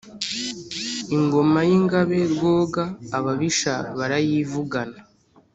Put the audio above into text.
ingoma y'ingabe rwoga ababisha barayivugana.